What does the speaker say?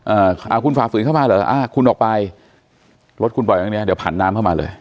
อ่าอ่าคุณฝ่าฝืนเข้ามาเหรออ่าคุณออกไปรถคุณปล่อยครั้งเนี้ยเดี๋ยวผันน้ำเข้ามาเลย